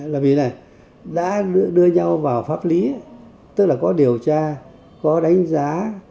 là vì này đã đưa nhau vào pháp lý tức là có điều tra có đánh giá